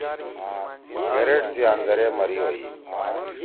گھیریڈ سی آندرے مَری ہوئی۔